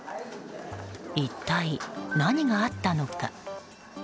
一体、何があったのか。